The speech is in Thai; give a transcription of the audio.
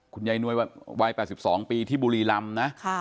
นวยวัย๘๒ปีที่บุรีรำนะ